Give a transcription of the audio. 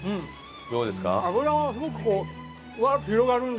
どうですか？